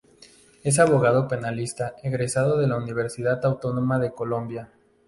Es abogado penalista egresado de la Universidad Autónoma de Colombia.